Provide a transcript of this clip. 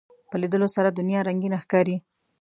په لیدلو سره دنیا رنگینه ښکاري